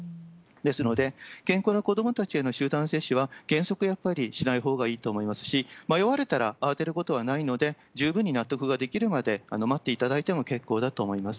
ですので、健康な子どもたちへの集団接種は原則、やっぱりしないほうがいいと思いますし、迷われたら、慌てることはないので、十分に納得ができるまで待っていただいても結構だと思います。